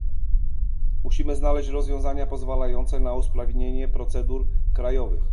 Musimy znaleźć rozwiązania pozwalające na usprawnienie procedur krajowych